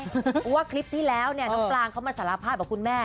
เพราะว่าคลิปที่แล้วเนี่ยน้องปลางเขามาสารภาพกับคุณแม่